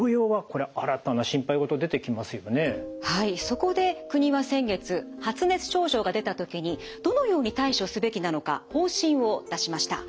そこで国は先月発熱症状が出た時にどのように対処すべきなのか方針を出しました。